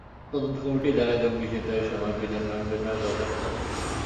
তদন্ত কমিটি জানায়, জঙ্গি ছিনতাইয়ের সময় প্রিজন ভ্যানের পেছনের দরজা খোলা ছিল।